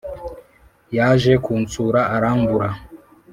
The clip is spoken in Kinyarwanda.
Yaje kunsura arambura